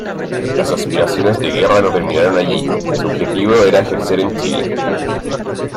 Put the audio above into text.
Las aspiraciones de Guerra no terminaron allí; su objetivo era ejercer en Chile.